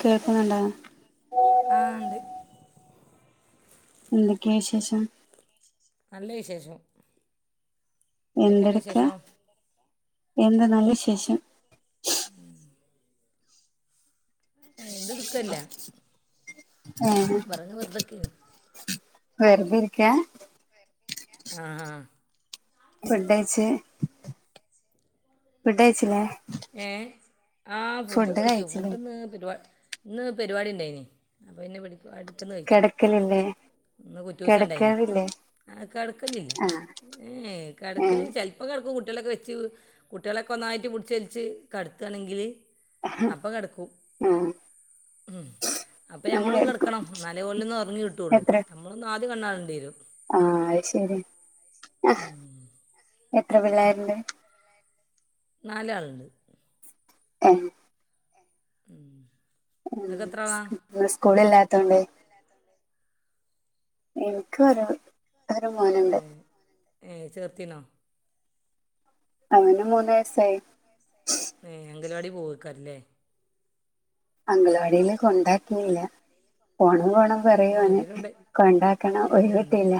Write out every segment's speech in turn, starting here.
കേൾക്കുന്നുണ്ടാ ആ ഇണ്ട് എന്തൊക്കെവിശേഷം നല്ല വിശേഷം ഇതൊക്കെയുണ്ട് എന്തെടുക്കാ വിശേഷം എന്ത നല്ല വിശേഷം ഉം ഏ എന്തും എടുക്കല്ല ഏഹ് വെറുതൊക്കെ വേർതെരിക്ക ആഹ് ആഹ് ഫുഡ്യ്ച്ച് ഫുഡ് കയിച്ചില്ലേ ഏഹ് ആഹ് ഫുഡ് ഒക്കെ കഴിച്ചു കഴിച്ചില്ലേ ഫുഡ്ന്ന് പരി ഇന്ന് പരിപാടി ഉണ്ടായിനെ അപ്പൊ പിന്നേ അടുക്കന്ന് കഴിച്ചു കിടക്കലില്ലേ ഇന്ന് കുറ്റുസ ഇണ്ടായിന് കിടക്കാറില്ലേ ആ കിടക്കലില്ല ആ ഏഹ് ഏ കിടക്കല് ചെ ഇപ്പൊ കടക്കും കുട്ടികളൊക്കെ വെച്ച് കുട്ടികളൊക്കെ ഒന്നായിട്ട് പിടിച്ചലിച്ച് കടത്താണെങ്കില് അപ്പൊ കടക്കും ആ ഉം അപ്പൊ അങ്ങനെ ഞമ്മളും എടുക്കും കിടക്കണം ന്നാലേ ഓലോന്ന് ഒറങ്ങി കിട്ടുള്ളൂ നമ്മളൊന്ന് ആദ്യ കണാറേണ്ട വരും ആഹ് അത് ശരി ആ, ഉം എത്ര പിള്ളാരുണ്ട് നാലാളുണ്ട് ഏഹ് ഉം ഉം ഇന്ന് സ്കൂളില്ലാത്തോണ്ടേ എനക്ക് ഒരു ഒരു മോൻ ഏ ഏയ് ചേർത്തിനോ അവന് മൂന്ന് വയസായി ഏ അങ്കൽവാടി പോവക്കാറല്ലേ അംഗലവാടിൽ കൊണ്ടാക്കിയില്ല പോണം പോണം പറയു ഏ ഓന് ഇതിലുണ്ട് കൊണ്ടാക്കണം ഒഴിവ് കിട്ടില്ല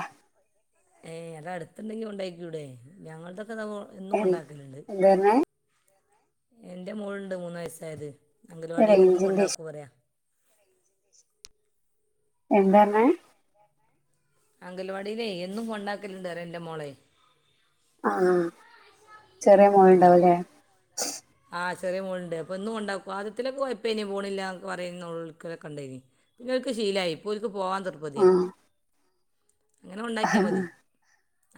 ഏയ് അത് അടുത്തണ്ടെങ്കി കൊണ്ടക്കൂടെ ഞങ്ങളതൊക്കെ ഇത എന്നും കൊണ്ടാക്കലണ്ട് എന്താർഞെ എന്റെ മോളുണ്ട് മൂന്ന് വയസ്സായത് അംഗൽവാടിയിൽ എന്നും റേഞ്ചിന്റെ കൊണ്ടാക്കൂ പറയാ എന്താ പറഞെ അംഗൽവാടില്ലേ എന്നും കൊണ്ടാക്കലുണ്ട് പറയാ എന്റെ മോളെ ആ ചെറിയ മോളുണ്ടാവുംല്ലേ ആഹ് ചെറിയ മോളുണ്ട് അപ്പൊന്നും കൊണ്ടാക്കും ആ അദ്യത്തിലൊക്കെ കെഴപ്പില്ല പോണില്ല പറയുന്ന നോലോലക്കളൊക്കെ ഉടായേനീ പിന്നെ ഒക്ക് ശീലായി ഇപ്പൊ ഒക്ക് പോവാൻ തിർപ്പതിയ ആ അങ്ങനെ കൊണ്ടാക്കിയാ മതി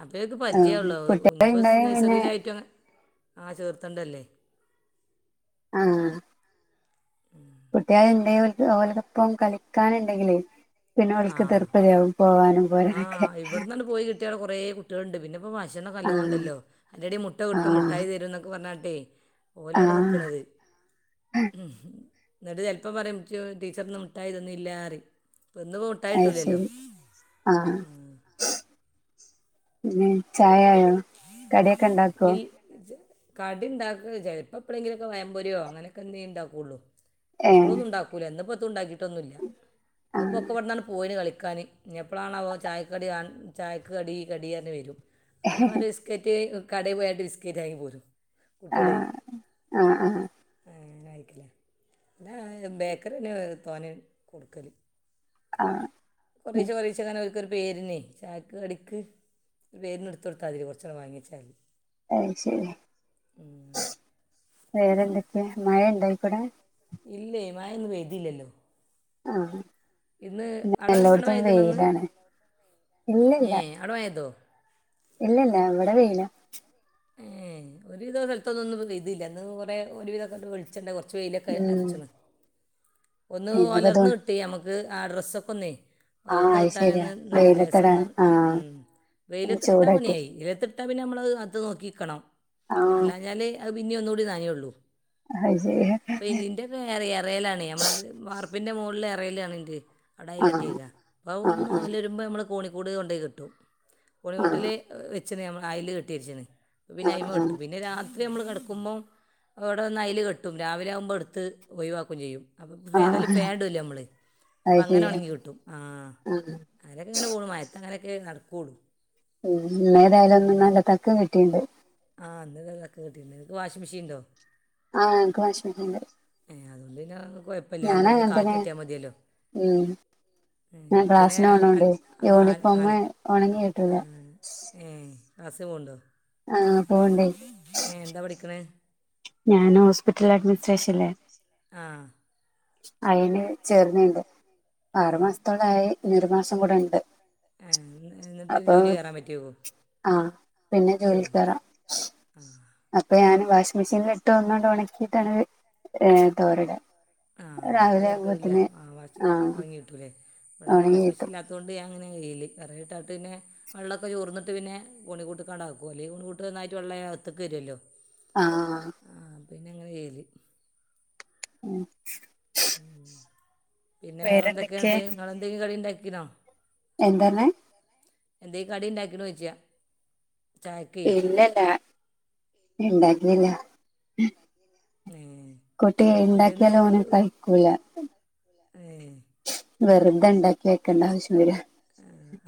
അപ്പ എക്ക് പരിജയള്ളോ ഇനിപ്പോ കുട്ടികളുണ്ടായ പിന്നെ നഴ്സറിയിലായിട്ടും ആ ചേർത്തണ്ടല്ലേ ആഹ് ഉം കുട്ടികളണ്ട് ഓലോടൊപ്പം കളിക്കാനുണ്ടെങ്കിലേ പിന്നെ ഓൾക്ക് തീർപ്പതയാവും പോവാനും പോരാനൊക്കെ ആഹ് ഇവിടന്നാണ്ട് പോയി കിട്ടിയ കുറെ കുട്ടികളൾണ്ട് പിന്നെ ഇപ്പൊ ഭശനൊക്കേ ആ നല്ലേ ഉണ്ടല്ലോ അയിന്റെടി മുട്ട ആ കിട്ടും മിട്ടായി തരും എന്നൊക്കെ പറഞ്ഞാട്ടെ ആ ഓലവടെ നിക്കണത്. ഉം ഇന്നിട്ട് ചെലപ്പോ പറിംഇന്ക് ടീച്ചർന്ന് മിട്ടായിതന്നീലാറിം ഇപ്പ ഇന്ന് ട്ടായിട്ടൂലല്ലോ. ആഹ് പിന്നെ ചായായോ? ഇൽ കടി ഇണ്ടാക്ക ചെലപ്പൊ എപ്പോളേ ങ്കിലൊക്കെ വയംമ്പെരിയോ അങ്ങനൊക്കെന്തേ ഇണ്ടാക്കൊള്ളു. ഏ എപ്പളൊന്നും ഇണ്ടാക്കൂല ഇന്നപ്പോ എത്തും ഇണ്ടാക്കിയിട്ടൊന്നുല്ല ആ ഇന്നപ്പോ ഒക്കെവിട്ന്ന പോയിന് കളിക്കാന്. ഇനി എപ്പളാണാവോ ചായക്കടി ചായക്ക് കടി കടിഅറഞവരും. ഞാൻ ബിസ്കറ്റ് കടെ പോയാണ്ട് ബിസ്കേറ്റാങ്ങി പോരും ആ കുട്ടികളയ്. ആ ആ ആ ഞ അയക്കില്ലേ പിന്നെ ബേക്കറി പിന്നെ തോനെ കൊടുക്കല്. ആഹ്. കൊറേ ചോദിച്ചതാണ് ഓൽക്കൊരു പേരിനെ ചായക്ക് കടിക്ക്. പേരിന് എടുതൊടുത്താതി കൊറച്ചാള് വാങ്ങിയെച്ചാല്. അയ് ശരി വേറെന്തൊക്കെ മഴ ഇണ്ടായിക്കൂടെ. ഇല്ലെയ്‌ മയ ഇന്ന് പെയ്തിയില്ലല്ലോ. ആഹ്. ഇന്ന് ആട ആട മഴേയ്തിനോ ഇന്ന് ഏഹ് ആട മഴേയ്തോ? ഇല്ലല്ല ഇവടെ വെയില. ഏഹ് ഒരുവിധം സ്ഥലത്തൊന്നും ഇന്ന് ഇപ്പൊ പെയ്തില്ല ഇന്ന് കൊറെ ഒരുവിധം കണ്ട്പഴ് ച്ചണ്ട കൊറച്ച് വെയിലൊക്കെ ഉം അര്ച്ന്ന് ഒന്ന് ഇന്നിപ്പോ തോ ഒലർന്ന് കി. ട്ടിയ അമ്മക്ക് ആഹ് ഡ്രസൊക്കെന്നയ്. ആ ഒലർന്ന് അത് ശരിയാ കിട്ടാനന്ന് ന്ന വെയിലത്തടാ ലേസൊന്ന് ആ ഉം ആഹ് വെയിലത്തിട്ടാ പണി ചൂടായിട്ട് ആയി വെയിലത്തി ട്ട പിന്നെ അമ്മളത് അത് നോക്കിക്കണം ആ അല്ലാഞ്ഞാല് അത് പിന്നെ ഒന്നൂടി നനയുള്ളൂ. അയ് ശെരി. വെറെ എറയലാണയ് അമ്മളത് വാർപ്പിന്റെ മോളില് എറയലറിന്റ്. ആട ആ അയലെട്ടീക്ക അപ്പോം ആ ഒന്നു ആ ഒലരുമ്പോ അമ്മള് കോണിക്കൂട് കൊണ്ടേയ് കെട്ടും ആ ആ കോണിക്കൂട്ടില്. വെച്ചണ് അമ്മള് അയല് കെട്ടി വെച്ചണ് പിന്നെ അയിമ ഇട്ടു പിന്നെ രാത് ത്രി അമ്മള് കെടക്കുമ്പോ അവിടെ ന്ന് അയില് കെട്ടും രാവിലെ ആകുമ്പോ ഇടുത്ത് ഒയിവാക്കും ചെയ്യും. അപ്പം ആ ആ ഏതായാലും ഫെൻ ഇടൂലെ അമ്മള് അപ്പൊ അത് ശരിയാ അങ്ങനൊണെങ്ങി കിട്ടും ആഹ്. ആ അയലൊക്കെ ഇങ്ങനെ പോണു മയത്തങ്ങനൊക്കെ നടക്കൂള്ളൂ. ഉം ഇന്നേതായാലും ഒന്ന് നല്ല തക്കം കിട്ടിണ്ട്. ആഹ് ഇന്ന് ദാ തക്കം കിട്ടിണ്ട് നിങ്ങക്ക് വാഷി മെഷീണ്ടോ? ആഹ് ഞങ്ങക്ക് വാഷ് മെഷീണ്ട്. ഏഹ് അതോണ്ട് പിന്ന കൊയപ്പല്ല അയിന്റൊരു അങ്ങനെ തന്നെ കാറ്റിട്ടിയാ മതിയല്ലോ. ഉം ഏഹ് ഞാൻ ഇൻക്ക് പിന്നെ ക്ലാസ്സിന് അൽ പോണോണ്ട് ആഹ് യൂണിഫോം അൽ ഉണങ്ങി കിട്ടൂല ആഹ് ഏഹ്. ആസമുണ്ടോ? ആഹ് പോവിണ്ടേയ്. ഏഹ് എന്താ പഠിക്കണെ? ഞാന് ഹോസ്പിറ്റൽ അഡ്മിനിസ്ട്രേഷൻല്ലേ. ആഹ്. അയിന് ചേർന്നിണ്ട്. ഏ ആറുമാസത്തോളായി ഇനി ഒരു മാസം കൂടെ ഇണ്ട്. ഏ എന്നിട്ട് ഒരു അപ്പൊ ജോലി കയറാൻ പറ്റുമോ ആഹ് പിന്നെ ജോലി കേറ. ഉം. അപ്പൊ ഞാൻ വാഷി മെഷീനീലിട്ട് ഒന്നട് ഒണക്കിട്ടാണ് ഏഹ്. തോരട ആ രാവിലെ ആവുമ്പത്തിന് ആഹ്. ട്ടുലെ പഴയ വാഷിങ് മെഷീല്ലാതോണ്ട് ഞാൻ ഇങ്ങനെ ഈല് എറ ഇട്ടാട്ട്ന്നെ. വെള്ളൊക്കെ ചോർന്നിട്ട് പിന്നെ ഓണികൂട്ക്കണ്ടാക്കും അല്ലയ് ഓണികൂട് ഒന്നായിട്ട് വള്ളയ് അകത്തിക്ക് വരൊല്ലോ. ആഹ്. പിന്നെ അങ്ങനെ ചെയ്യാല്. ഉം പിന്നെ വേറെ എന്തൊക്കെ വേറെന്തൊക്കെ ഇണ്ട് നിങ്ങൾ എന്തെങ്കിലും കടി ഇണ്ടാക്കിണോ? എന്താ പറഞ്ഞെ? എന്തേം കടി ഇണ്ടാക്കിണോയിച്ച ഇല്ലല്ല ഇണ്ടാക്കില്ല. നേഹ്. കുട്ടിയെ ഉണ്ടാക്കിയാല് ഓന് കയിക്കൂല. ഏ വെറുതെ ഇണ്ടാക്കി വേക്കണ്ട ആവശ്യം വരാ.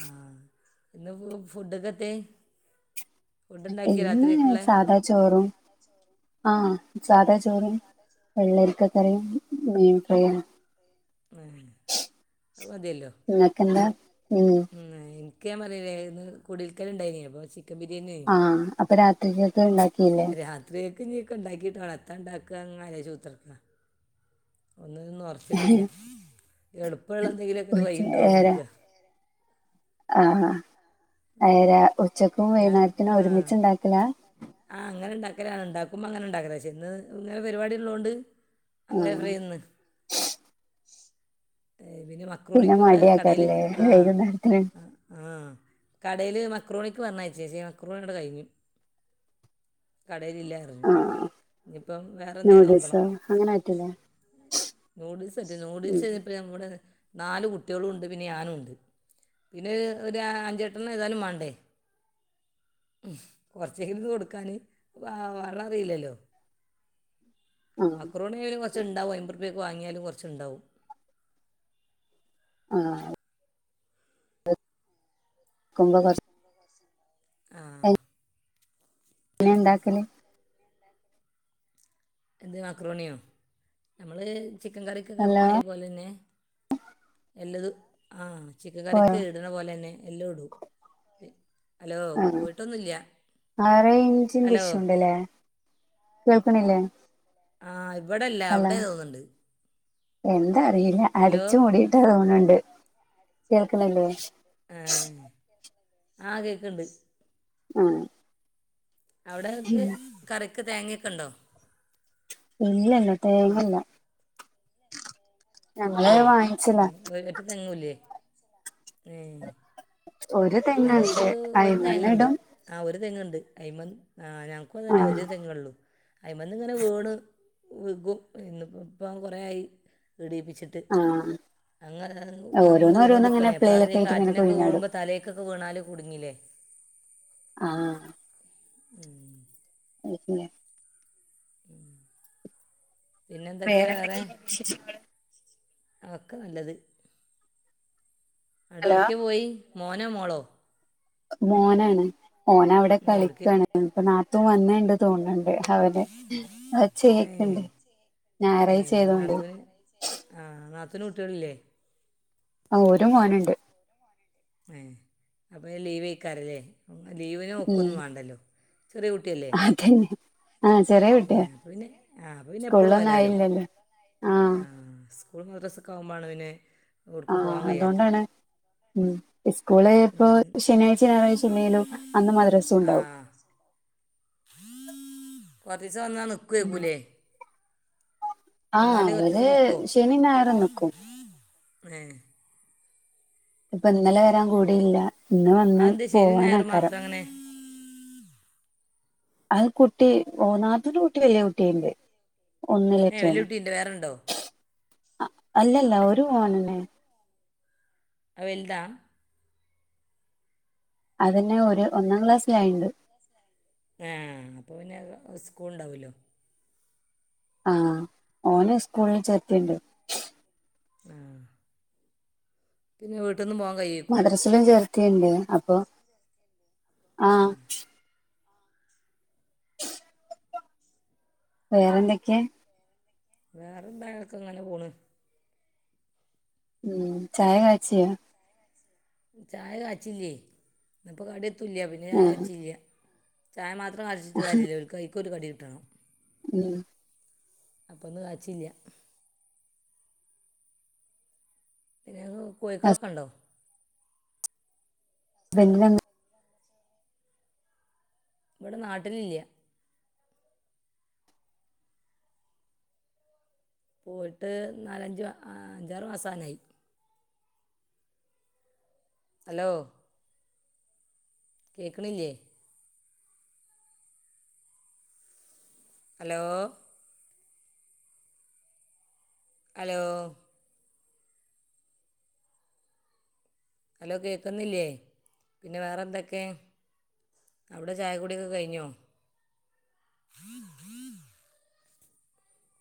ആ ഇന്ന് ഫുഡൊക്കത്തെ? ഇന്ന് സാധാ ചോറും ആഹ് സാധാ ചോറും വെള്ളരിക്കകറിയും മീൻഫ്രൈയും അഹ് മതിയല്ലോ ഇങ്ങക്ക് എന്താ [unintelligible] ഉംന്ന ഇൻക്ക് ഞാൻ പറഞ്ഞില്ലെ ന്ന് കുടിൽക്കാല് ഇണ്ടായിന് അപ്പോ ചി ക്കൻ ബിരിയെണി ആഹ് അപ്പൊ രാത്രിക്കക്കെ ഇണ്ടാക്കില്ലേ രാത്രിയേക്ക് ഞ്കെ ണ്ടാക്കിയിട്ട് വേണം എത്ത ണ്ടാക്കാങ്ങെ രാചുത്രക്കാ ഒന്ന്ന്നും ഒറച്ചിട്ടില്ല എളുപ്പള്ള എന്തെലൊക്കെ ഒരു ഉച്ച വഴിണ്ടോ ഏര നോക്ക ആഹ് ആഹ അയരാ ഉച്ചക്കും ഞാൻ വൈന്നേരത്തിനും ആഹ് ഒരുമിച്ച് ഇണ്ടാകലാ ആഹ് അങ്ങനെ ഇണ്ടാക്കലാണ് ഇണ്ടാക്കുമ്പോ അങ്ങനെ ഇണ്ടാക്കല ശേ ന്ന് ഇങ്ങ പരിപാടിള്ളോണ്ട് ആഹ് അല്ലവിന്ന് പിന്നെ മക്രോണിക്ക് ഇവിടെ കടെല് മടിയാക്കാറില്ലേ ആഹ് വൈകുന്നേരത്തിന് ആഹ് ആഹ് കടയില് മക്രോണിക്ക് പറഞ്ഞയച്ചേ ചേച്ചേ മക്രോണിടെ കഴിഞ് കടയിലല്ലാറിഞ്ഞു ആഹ് ഇനിയിപ്പം വേറെ എന്തേ നോക്കണം അങ്ങനെറ്റൂലെ നൂഡിൽസ് പറ്റൂല നൂഡിൽസ് ഇപ്പ ഇവിടെ നാല് കുട്ടികളുണ്ട് പിന്നെ ഞാനുണ്ട് പിന്നെ ഒരു അഞ്ചെട്ടണ്ണം ഏതാലും മാണ്ടേ ഉം കുറച്ചെങ്കില് കൊടുക്കാന് വാ വാള അറിയില്ലല്ലോ ആഹ് മക്രോണിയ്ന് കുറച്ണ്ടാവും അൻമ്പർപ്യക് വാങ്ങിയാലും കുറച്ണ്ടാവും ആഹ് ക്കുമ്പോ കൊ ആഹ് ങ്‌നെണ്ടാകാല് എന്ത് മാക്രോണിയോ നമ്മള് ചിക്കൻ കറിക്ക്കെ ഹലോ ഇട്ണാതിരി പോലെന്നെ എല്ലതു അഹ് പോയോ ചിക്കൻകറിക്ക് ഇട്ണപോലെന്നെ എല്ലു ഇടു ആഹ് ആറേ ഹലോ ഇഞ്ചുണ്ടെഷല്ലെ കേൾക്കണില്ലേ ആഹ് ഇവിടെല്ല അവിടെ തോന്ന്ണ്ട് എന്തറിയില്ല അടച്ച്മുടിയിട്ടാ തോന്നുണ്ട് കേൾക്ണ് ല്ലേ ഏഹ് ആഹ് കേക്ക്‌ണ്ട് ഏഹ് അവിടെ ത് കറിക്ക് തേങ്ങയ്ക്കെണ്ടോ ഇല്ല്യന്നെ തേങ്ങല്ല്യ ഞങ്ങള് ഇല്ലേ വാങ്ങിച്ചലാ ഉം ഒരറ്റ തേങ്ങൂലേ ഉം ഒരു തെങ്ങുണ്ട് ഞങ്ങക്ക് ഒരു അയിമണ്ണ തേങ്ങണ്ട് ഇടും ആഹ് ഒരു തെങ്ങ്ണ്ട് അയ്മന്ന് ആഹ് ഞങ്‌ക്കും ആ തന്നെ ഒരു തേങ്ങള്ളു അയിമന്ന്ങ്ങനെ വീണ് വീകും ഇന്ന് പ്പം കുറേ ആയി ഇടീപ്പിച്ചി ട്ട് ആ അങനെങ്‌ അങ് ഓരോന്ന് ഓരോന്ന് ഇങ്ങനെ വീണോണ്ട്ക്കണേ എപ്ലയിലൊക്കെ എപ്പളാറീല ആയിട്ട് ഇങ്ങനെ കാറ്റ്നെക്കെ കുഴിഞ്ഞാടും വിയുമ്പോ തലേക്കൊക്കെ വിണാൽ കുടുങ്ങില്ലേ ആഹ് ഉം [unintelligible] പിന്നെന്തൊക്കെയ വേറെ വേറെന്തൊക്കെയാണ് വിശേഷങ്ങൾ അഹ്ക്കെ നല്ലത് ങ്ങട് ഹലോ ട്ക്കെ പോയി മോനമോളോ? മോനാണ് മോനവിടെ ഏ എവിടേക്ക് കളിക്കണ് ഇപ്പ നാത്തു വന്നീണ്ട് തോന്ന്ണ്ട് അവനെ ഏ അച്ചേക്ണ്ട് ഞായറായ്ചയതോണ്ടെ ആഹ് നാത്തുന് കുട്ടികളില്ലേ ആഹ് ഒരു മോനുണ്ട് ഏ അപ്പം ഞ ലീവ് കഴക്കാറല്ലേ ലീവിന് ബുക്ക് ക്കൊന്നും വേണ്ടല്ലോ ചെറിയ കുട്ടിയല്ലേ അതെന്ന ഏ അപ്പൊ പിന്നെ ആ അപ്പ പിന്നെ എപ്പഴും സ്കൂളിലൊന്നും വരാലോ ആയില്ലല്ലോ ആ ആഹ് കൂടുത ഡസ്സക്കൊവുമ്പനോ വരണേ ആഹ് അതൊണ്ടാണ് ഉം സ്കൂള് ഇപ്പോ ശനാഴ്ച ഞായറാഴ്ച ഇലേലും അന്ന് മദ്രസും ണ്ടാവും വദിസ വന്നാ നിക്കയക്കൂലേ ആഹ് അവര് ശനി ഞായറും നിക്കും ഏഹ് പ്പൊ ഇന്നലെ വരാൻ കൂടിയില്ല ഇന്ന് വന്ന് അതെന്താ ശനി പോവാന ഞായർ ആക്കാരം മാത്രം അങ്ങനെ അത് കുട്ടി ഓ നാത്തുന്റെ കുട്ടി വലിയ കുട്ടിയയിണ്ട് ഏ വലിയ ഒന്നിലറ്റാണ് കുട്ടീൻ്റെ വേറെ ഉണ്ടോ അല്ലല്ല ഒരു മോനെന്നെൻ അവൽദാ അതന്നെ ഒരു ഒന്നാം ക്ലാസ്സിലായിണ്ട് ആ അപ്പൾ പിന്നെ സ്കൂൾ ഉണ്ടാവല്ലോ ആഹ് ഓനെ സ്കൂളിൽ ചേർത്തിണ്ട് ആഹ് പിന്നെ വീട്ടിൽന്ന് പോവാൻ കഴിയേക്കും ഇലും ചേർത്തിണ്ട് അപ്പൊ ആഹ് വേറെന്തൊക്കെ? വേറെന്താങ്കക്ക ങ്ങനെ പോണ് ഉം ചായ കച്യോ ചായ കാച്ചില്ലേ ഇപ്പ കട എത്തുല പിന്നെ ചായ ആഹ് കാച്ചില്ല ചായ മാത്രം കളിച്ചിട്ട് കാര്യമല്ലേൽ ഓല്ക്ക് ഐക്കൊരു കടി കിട്ടണം ഉം അപ്പൾ ഇന്ന് കാച്ചില്ല പിന്നെ കോയ്ക്കളൊക്കെ ണ്ടോ? തല്ലന്ന ഇവിടെ നാട്ടിലില്ല പോയിട്ട് നാലഞ്ച് അഞ്ചാറ് മാസനായി ഹലോ കേക്കണില്ലേ ഹലോ ഹലോ ഹലോ കേൾക്കുന്നില്ലേ പിന്നെ വേറെ എന്തൊക്കെ അവിടെ ചായ കൂടി ഒക്കെ കഴിഞ്ഞോ